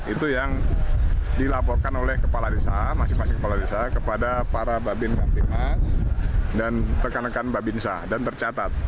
itu yang dilaporkan oleh kepala desa masing masing kepala desa kepada para babin kampimas dan rekan rekan babinsa dan tercatat